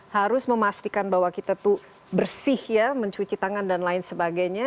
harus memastikan bahwa kita tuh bersih ya mencuci tangan dan lain sebagainya